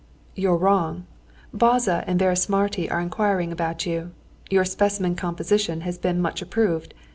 "You're wrong. Bajza and Vörösmarty are inquiring about you. Your specimen composition has been much approved.